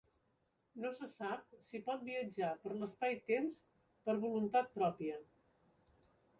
No se sap si pot viatjar per l'espai-temps per voluntat pròpia.